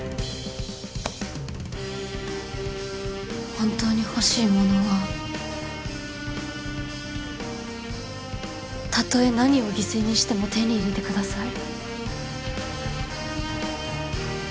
本当に欲しいものはたとえ何を犠牲にしても手に入れてください。